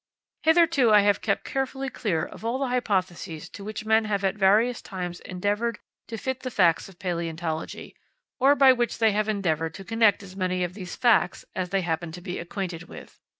Hitherto I have kept carefully clear of all the hypotheses to which men have at various times endeavoured to fit the facts of palaeontology, or by which they have endeavoured to connect as many of these facts as they happened to be acquainted with.